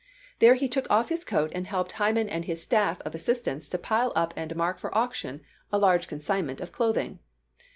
There he took off his coat and helped Hyman and his staff of assistants to pile up and mark for auction a large consignment of clothing.